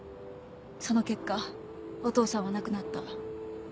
その結果お父さんは亡くなった。